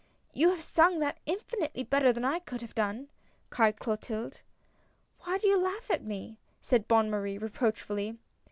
" You have sung that infinitely better than I could have done !" cried Clotilde. "Why do you laugh at me?" said Bonne Marie, reproachfully.